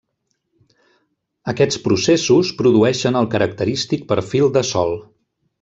Aquests processos produeixen el característic perfil de sòl.